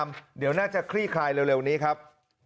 ไม่รู้จักอะไรเลยไม่รู้เรื่องหนึ่ง